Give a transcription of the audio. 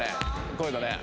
こういうのね？